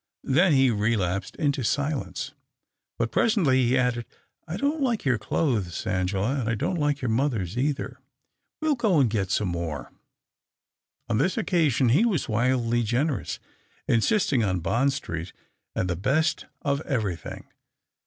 Then he relapsed into silence. But presently he added, " I don't like your clothes, Angela, and I don't like your mother's either. We'll go and get some more." On this occasion he was wildly generous, insisting on Bond Street and the best of everything.